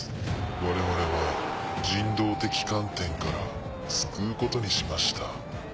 我々は人道的観点から救うことにしました。